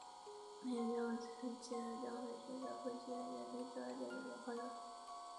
没有较高层级的教会宣言抨击在人类之外的演化论。